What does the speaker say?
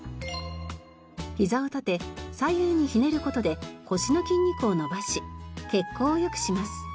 ひざを立て左右にひねる事で腰の筋肉を伸ばし血行を良くします。